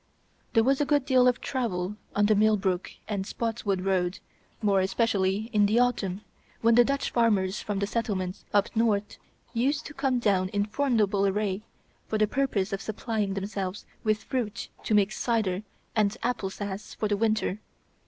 There was a good deal of travel on the Millbrook and Spotswood road, more especially in the autumn, when the Dutch farmers from the settlements up north used to come down in formidable array, for the purpose of supplying themselves with fruit to make cider and "applesass" for the winter.